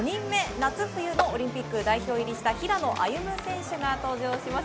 夏冬のオリンピック代表入りをした平野歩夢選手が登場します。